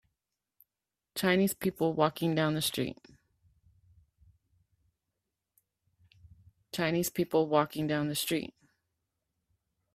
Chinese people walking down a street.